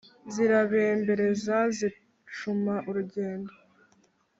Zirabembereza zicuma urugendo